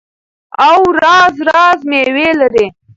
او راز راز میوې لري.